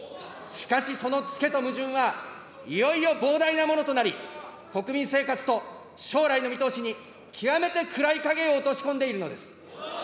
しかしそのつけと矛盾は、いよいよ膨大なものとなり、国民生活と将来の見通しに極めて暗い影を落とし込んでいるのです。